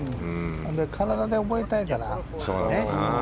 体で覚えたいからね。